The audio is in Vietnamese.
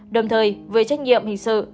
đồng thời về trách nhiệm hình sự